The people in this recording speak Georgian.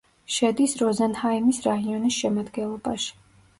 შედის როზენჰაიმის რაიონის შემადგენლობაში.